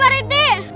pak rt pak rt